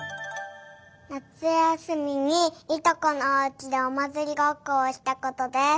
なつやすみにいとこのおうちでおまつりごっこをしたことです。